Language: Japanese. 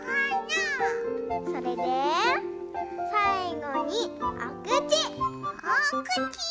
それでさいごにおくち！おくち！